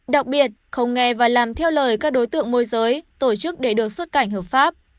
đặc biệt không nghe và làm theo lời các đối tượng môi giới tổ chức để được xuất cảnh hợp pháp